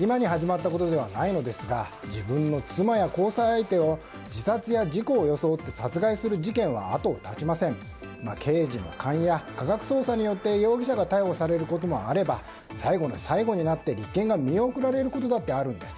今に始まったことではないのですが自分の妻や交際相手を自殺や事故を装って刑事の勘や科学捜査によって容疑者が逮捕されることもあれば最後の最後になって立件が見送られることだってあるんです。